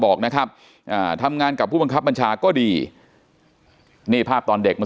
บอกนะครับทำงานกับผู้บังคับบัญชาก็ดีนี่ภาพตอนเด็กเมื่อ